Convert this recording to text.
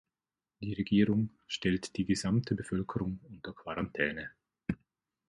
Die Regierung stellt die gesamte Bevölkerung unter Quarantäne.